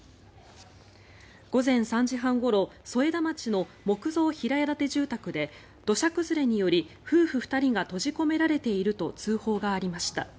午前３時半ごろ添田町の木造平屋建て住宅で土砂崩れにより夫婦２人が閉じ込められていると通報がありました。